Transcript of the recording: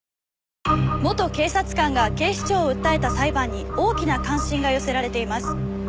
元警察官が警視庁を訴えた裁判に大きな関心が寄せられています。